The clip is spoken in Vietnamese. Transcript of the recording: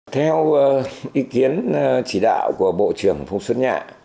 theo ý kiến chỉ đạo của bộ trưởng phùng xuân nhạ